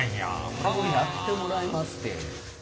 これをやってもらいますて。